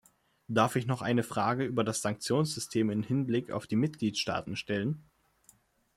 Darf ich noch eine Frage über das Sanktionssystem im Hinblick auf die Mitgliedstaaten stellen?